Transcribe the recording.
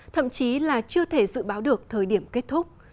thậm chí là chưa thể dự báo được thời điểm kết thúc